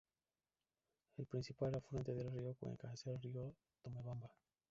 El principal afluente del río Cuenca, es el río Tomebamba.